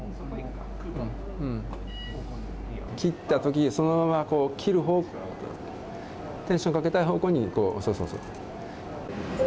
切ったとき、そのまま切る方向、テンションかけたい方向に、そうそうそう。